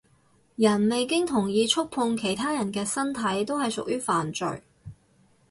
人未經同意觸碰其他人嘅身體都係屬於犯罪